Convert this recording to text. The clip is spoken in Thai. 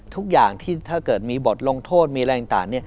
ทุกอย่างที่ถ้าเกิดมีบทลงโทษมีอะไรต่าง